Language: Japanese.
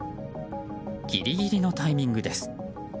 ギリギリのタイミングです。